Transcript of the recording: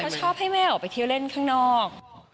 เขาชอบให้แม่ออกไปเที่ยวเล่นข้างนอก